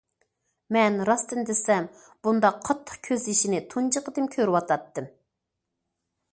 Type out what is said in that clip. مەن راستىنى دېسەم بۇنداق قاتتىق كۆز- يېشىنى تۇنجى قېتىم كۆرۈۋاتاتتىم.